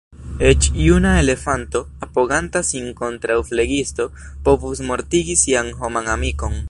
Eĉ juna elefanto, apoganta sin kontraŭ flegisto, povus mortigi sian homan amikon.